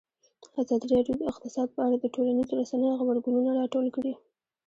ازادي راډیو د اقتصاد په اړه د ټولنیزو رسنیو غبرګونونه راټول کړي.